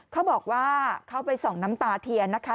เขาบอกว่าเขาไปส่องน้ำตาเทียนนะคะ